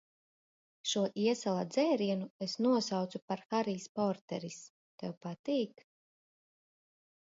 Šo iesala dzērienu es nosaucu par "Harijs Porteris". Tev patīk?